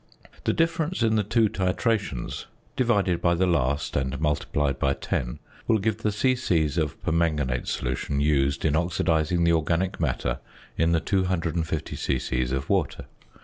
The difference in the two titrations, divided by the last and multiplied by 10, will give the c.c. of permanganate solution used in oxidising the organic matter in the 250 c.c. of water.